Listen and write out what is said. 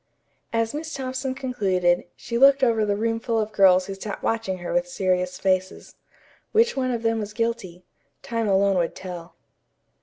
As Miss Thompson concluded, she looked over the roomful of girls who sat watching her with serious faces. Which one of them was guilty? Time alone would tell.